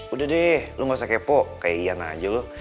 udah deh lo gak usah kepo kayak iya nah aja lo